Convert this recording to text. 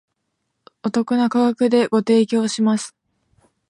お得な価格でご提供します